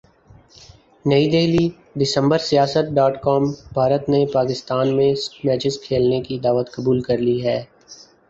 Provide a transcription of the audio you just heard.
نئی دہلی دسمبر Siasat dot com Bharat نے پاکستان میں میچز کھیلنے کی دعوت قبول کر لی ہے